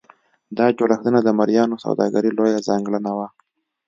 دا جوړښتونه د مریانو سوداګري لویه ځانګړنه وه.